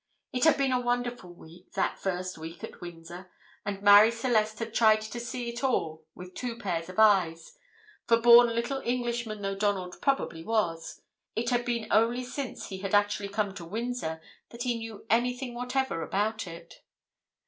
It had been a wonderful week, that first week at Windsor, and Marie Celeste had tried to see it all with two pairs of eyes; for born little Englishman though Donald probably was, it had been only since he had actually come to Windsor that he knew anything whatever about it.